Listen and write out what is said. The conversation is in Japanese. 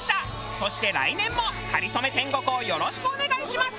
そして来年も『かりそめ天国』をよろしくお願いします！